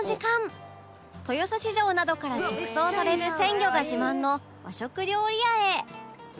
豊洲市場などから直送される鮮魚が自慢の和食料理屋へ